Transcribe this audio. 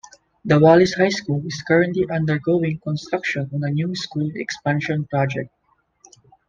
The Wallace High School is currently undergoing construction on a new school expansion project.